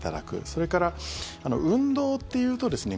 それから、運動っていうとですね